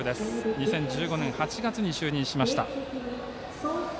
２０１５年８月に就任しました。